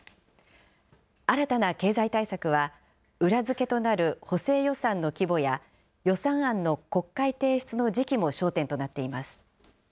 新たな経済対策は、裏付けとなる補正予算の規模や、予算案の国会提出の時期も焦点となっています。